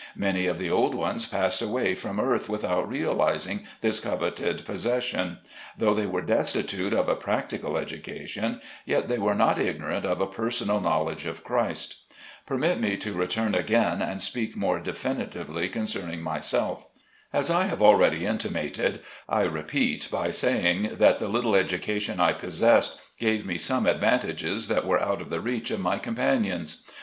Many of the old ones passed away from earth without realizing this coveted pos session. Though they were destitute of a practical education, yet they were not ignorant of a personal knowledge of Christ. Permit me to return again and speak more defin itely concerning myself. As I have already intima ted, I repeat, by saying, that the little education I possessed gave me some advantages that were out of the reach of my companions.